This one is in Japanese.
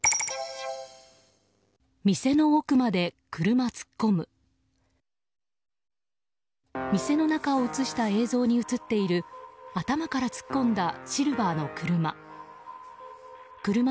店の中を映した映像に映っている頭から突っ込んだシルバーの車。